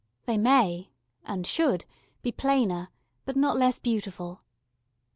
They may and should be plainer but not less beautiful.